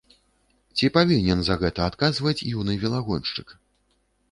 Ці павінен за гэта адказваць юны велагоншчык?